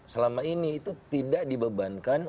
selama ini itu tidak dibebankan